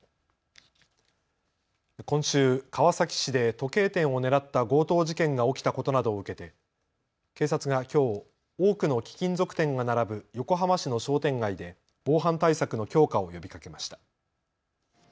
今週、川崎市で時計店を狙った強盗事件が起きたことなどを受けて警察がきょう、多くの貴金属店が並ぶ横浜市の商店街で防犯対策の強化を呼びかけました。